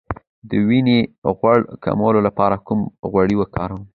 د وینې غوړ کمولو لپاره کوم غوړي وکاروم؟